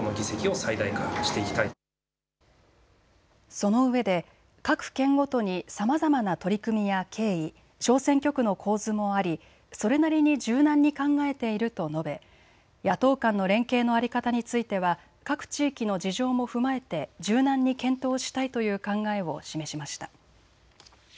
そのうえで、各県ごとにさまざまな取り組みや経緯、小選挙区の構図もありそれなりに柔軟に考えていると述べ、野党間の連携の在り方については各地域の事情も踏まえて柔軟に検討したいという考えを示しました。